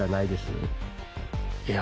いや。